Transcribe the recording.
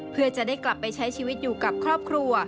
เพื่อจะได้กลับไปใช้ชีวิตอยู่กับครอบครัว